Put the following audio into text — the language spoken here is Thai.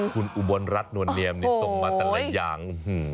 คุณอุบลรัฐนวลเนียมนี่ส่งมาแต่ละอย่าง